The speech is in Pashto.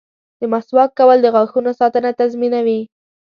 • د مسواک کول د غاښونو ساتنه تضمینوي.